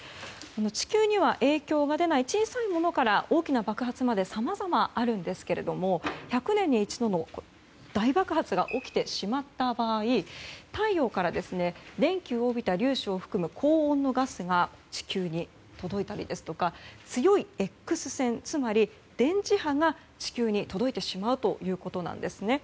地球には影響が出ない小さいものから大きな爆発までさまざまあるんですが１００年に一度の大爆発が起きてしまった場合太陽から電気を帯びた粒子を含む高温のガスが地球に届いたり強いＸ線つまり電磁波が地球に届いてしまうということなんですね。